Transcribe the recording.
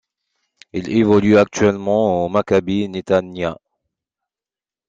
Il évolue actuellement au Maccabi Netanya.